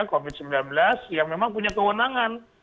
covid sembilan belas yang memang punya kewenangan